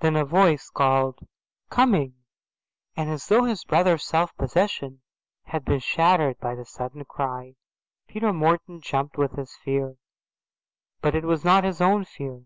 Then a voice called "Coming", and as though his brother's self possession had been shattered by the sudden cry, Peter Morton jumped with his fear. But it was not his own fear.